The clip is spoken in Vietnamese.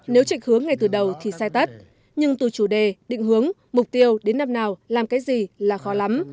nếu trịch hướng ngay từ đầu thì sai tắt nhưng từ chủ đề định hướng mục tiêu đến năm nào làm cái gì là khó lắm